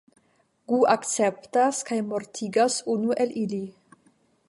Gu akceptas kaj mortigas unu el ili.